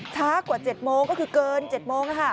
ช้ากว่า๗โมงก็คือเกิน๗โมง